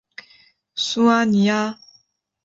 苏阿尼阿。